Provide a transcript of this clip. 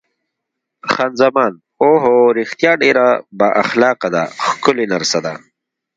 خان زمان: اوه هو، رښتیا ډېره با اخلاقه ده، ښکلې نرسه ده.